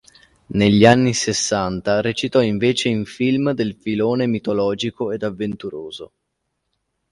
Negli anni sessanta recitò invece in film del filone mitologico ed avventuroso.